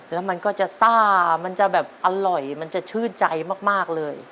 แล้วมันก็จะซ่ามันจะแบบอร่อยมันจะชื่นใจมากเลย